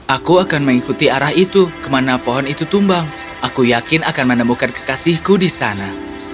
aku akan mengikuti arah itu kemana pohon itu tumbang aku yakin akan menemukan kekasihku di sana